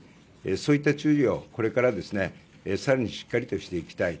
そういった注意を、これから更にしっかりとしていきたい。